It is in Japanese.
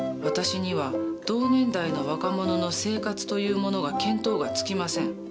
私には同年代の若者の生活というものが見当がつきません。